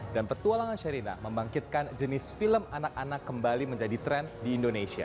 dan petualangan sherina membangkitkan jenis film anak anak kembali menjadi tren di indonesia